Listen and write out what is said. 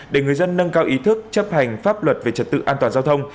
để người dân nâng cao ý thức chấp hành pháp luật về trật tự an toàn giao thông